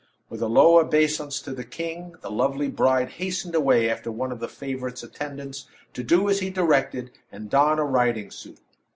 With a low obeisance to the king, the lovely bride hastened away after one of the favorite's attendants, to do as he directed, and don a riding suit.